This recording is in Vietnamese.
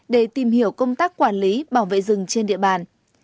để tìm hiểu công tác quản lý bảo vệ rừng trên địa bàn